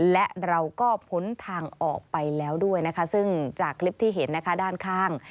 และเราก็พ้นทางออกไปแล้วด้วยนะคะซึ่งจากคลิปที่เห็นนะคะด้านข้าง